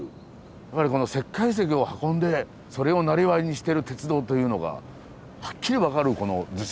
やはりこの石灰石を運んでそれを生業にしている鉄道というのがはっきり分かるこの図式じゃないですか。